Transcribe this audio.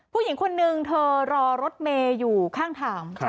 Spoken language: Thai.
ผู้หญิงคนนึงเธอรอรถเมย์อยู่ข้างทาง